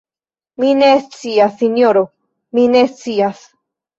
Mi ne scias, sinjoro, mi ne scias!